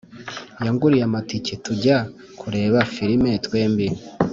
yanguriye amatike tujya kureba firime twembi